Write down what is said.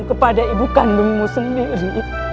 kepada ibu kandungmu sendiri